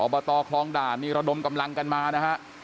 บตคลองด่านนี่ระดมกำลังกันมานะฮะ